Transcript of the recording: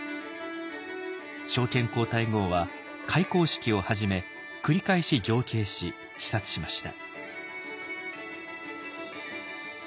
昭憲皇太后は開校式をはじめ繰り返し行啓し視察しました。